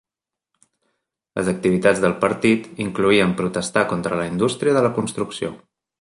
Les activitats del partit incloïen protestar contra la indústria de la construcció.